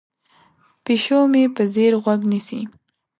پیشو مې په ځیر غوږ نیسي.